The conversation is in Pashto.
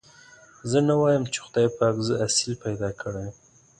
زه نه وايم چې خدای پاک زه اصيل پيدا کړي يم.